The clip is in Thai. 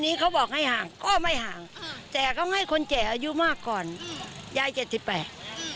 มีข้าวกล่องและก็มีเงินหน้าร้อยเกือบ๓จุ่มหนึ่ง